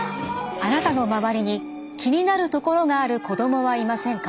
あなたの周りに気になるところがある子どもはいませんか？